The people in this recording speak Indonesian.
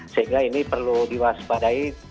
sehingga ini perlu diwaspadai